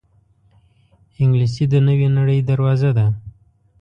انګلیسي د نوې نړۍ دروازه ده